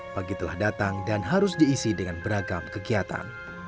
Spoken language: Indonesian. pagi telah datang dan harus diisi dengan beragam kegiatan